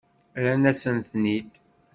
Rrant-asen-ten-id.